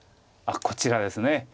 こちらですね。